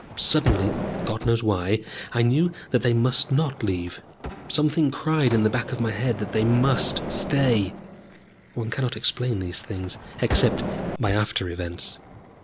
Suddenly, God knows why, I knew that they must not leave. Something cried in the back of my head that they must stay one cannot explain these things, except by after events.